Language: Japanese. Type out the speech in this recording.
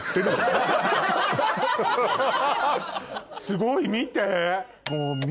すごい見て。